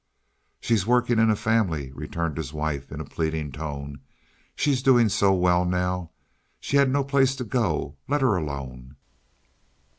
"She's working in a family," returned his wife in a pleading tone. "She's doing so well now. She had no place to go. Let her alone."